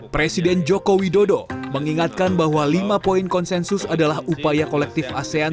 presiden joko widodo mengingatkan bahwa lima poin konsensus adalah upaya kolektif asean